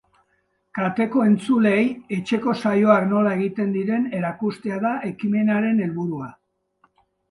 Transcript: Kateko entzuleei etxeko saioak nola egiten diren erakustea da ekimenaren helburua.